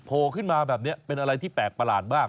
โผล่ขึ้นมาแบบนี้เป็นอะไรที่แปลกประหลาดมาก